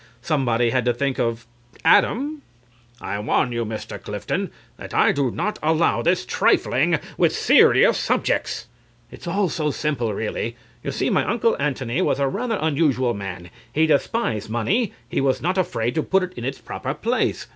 Somebody had to think of Adam. CRAWSHAW. I warn you, Mr. Clifton, that I do not allow this trifling with serious subjects. CLIFTON. It's all so simple, really.... You see, my Uncle Antony was a rather unusual man. He despised money. He was not afraid to put it in its proper place.